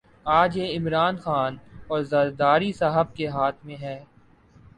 آج یہ عمران خان اور زرداری صاحب کے ہاتھ میں ہے۔